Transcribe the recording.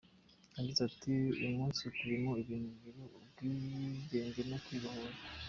Yagize ati “Uyu munsi ukubiyemo ibintu bibiri : Ubwingenge no kwibohoza.